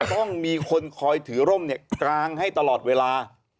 ต้องมีคนคอยถือร่มกลางให้ตลอดเวลา